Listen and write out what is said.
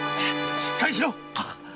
しっかりしろ！